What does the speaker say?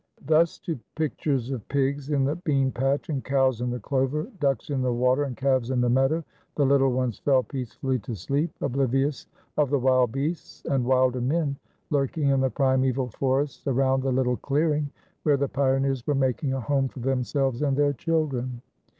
Thus to pictures of pigs in the bean patch and cows in the clover, ducks in the water and calves in the meadow, the little ones fell peacefully to sleep, oblivious of the wild beasts and wilder men lurking in the primeval forests around the little clearing where the pioneers were making a home for themselves and their children.